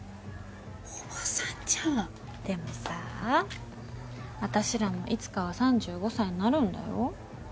おばさんじゃんでもさ私らもいつかは３５歳になるんだよ。